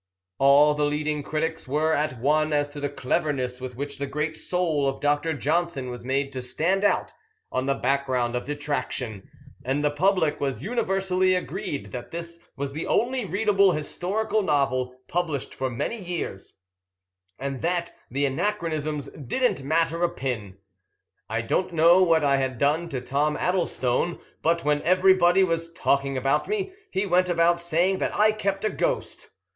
All the leading critics were at one as to the cleverness with which the great soul of Dr. Johnson was made to stand out on the background of detraction, and the public was universally agreed that this was the only readable historical novel published for many years, and that the anachronisms didn't matter a pin. I don't know what I had done to Tom Addlestone; but when everybody was talking about me, he went about saying that I kept a ghost.